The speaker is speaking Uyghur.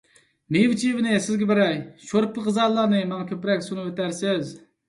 مېۋە - چېۋىنى سىزگە بېرەي، شورپا - غىزالارنى ماڭا كۆپرەك سۇنۇۋېتەرسىز.